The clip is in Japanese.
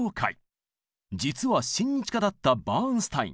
実は親日家だったバーンスタイン。